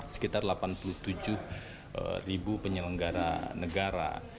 sekitar delapan puluh tujuh ribu penyelenggara negara